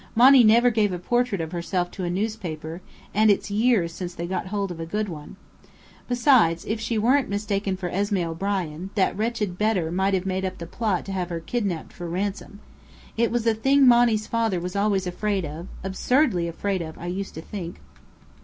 Monny never gave a portrait of herself to a newspaper, and it's years since they got hold of a good one. Besides, if she weren't mistaken for Esmé O'Brien, that wretched Bedr might have made up a plot to have her kidnapped for ransom. It was the thing Monny's father was always afraid of absurdly afraid of, I used to think."